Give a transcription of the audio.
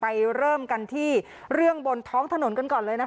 เริ่มกันที่เรื่องบนท้องถนนกันก่อนเลยนะคะ